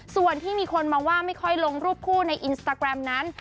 ส่วนที่มีคนมองว่าไม่ค่อยลงรูปคู่ในอินสตาแกรมนั้น